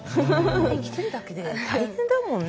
生きてるだけで大変だもんね。